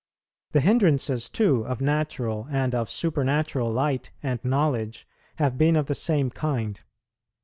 The hindrances too of natural and of supernatural light and knowledge have been of the same kind.